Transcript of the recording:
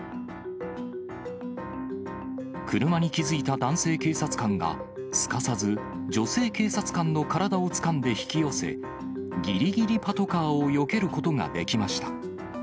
車に気付いた男性警察官が、すかさず女性警察官の体をつかんで引き寄せ、ぎりぎりパトカーをよけることができました。